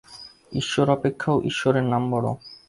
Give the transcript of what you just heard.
ঈশ্বর অপেক্ষাও ঈশ্বরের নাম বড়।